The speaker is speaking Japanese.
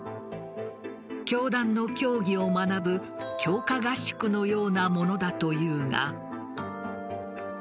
教団の教義を学ぶ強化合宿のようなものだというが。